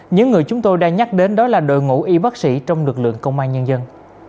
những người chúng tôi đang nhắc đến đó là đội ngũ y bác sĩ trong lực lượng công an nhân dân